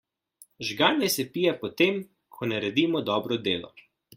Žganje se pije po tem, ko naredimo dobro delo.